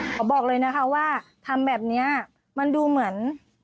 บอกเลยนะคะว่าทำแบบนี้มันดูเหมือน